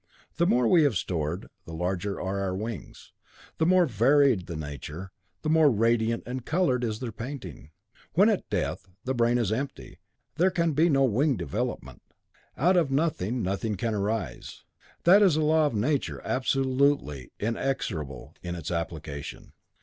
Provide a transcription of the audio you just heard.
The more we have stored, the larger are our wings; the more varied the nature, the more radiant and coloured is their painting. When, at death, the brain is empty, there can be no wing development. Out of nothing, nothing can arise. That is a law of nature absolutely inexorable in its application.